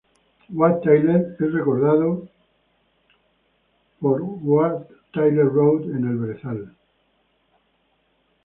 Wat Tyler es recordado por Wat Tyler Road en el brezal.